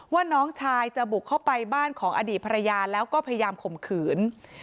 ว่าน้องชายจะบุกเข้าไปบ้านของอดีตภรรยาแล้วก็พยายามข่มขืน